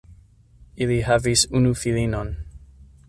Ili havis unu filinon.